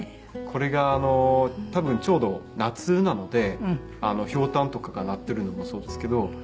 これがちょうど夏なので瓢箪とかがなってるのもそうですけど。